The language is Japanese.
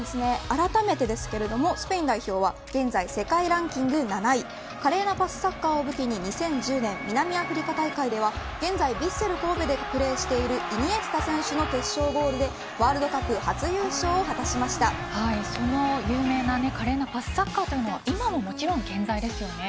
あらためてですけれどもスペイン代表は現在世界ランキング７位華麗なパスサッカーを武器に２０１０年南アフリカ大会では現在ヴィッセル神戸でプレーしているイニエスタ選手の決勝ゴールでワールドカップ初優勝をその華麗なパスサッカーというのは今ももちろん健在ですよね。